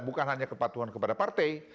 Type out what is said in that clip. bukan hanya kepatuhan kepada partai